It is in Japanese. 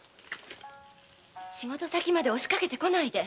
仕事先まで押しかけて来ないで。